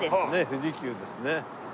富士急ですね。